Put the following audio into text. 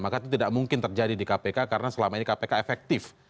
maka itu tidak mungkin terjadi di kpk karena selama ini kpk efektif